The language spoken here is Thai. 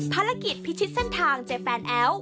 ภารกิจพิชิตเส้นทางเจแปนแอล